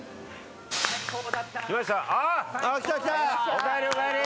おかえりおかえり！